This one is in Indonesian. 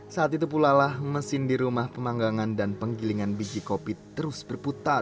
saat itu pula lah mesin di rumah pemanggangan dan penggilingan biji kopi terus berputar